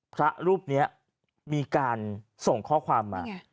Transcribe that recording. พระรูปนี้มีการส่งข้อความมา